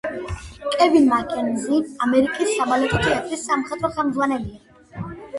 კევინ მაქენზი ამერიკის საბალეტო თეატრის სამხატვრო ხელმძღვანელია.